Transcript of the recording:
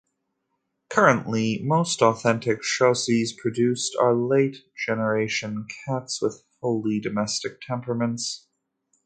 Currently, most authentic Chausies produced are late generation cats with fully domestic temperaments.